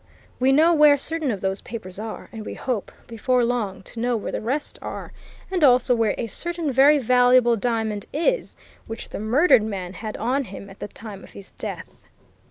We know where certain of those papers are, and we hope before very long to know where the rest are, and also where a certain very valuable diamond is, which the murdered man had on him at the time of his death.